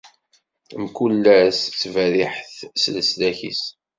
Mkul ass, ttberriḥet s leslak-is!